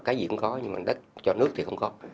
cái gì cũng có nhưng mà đất cho nước thì không có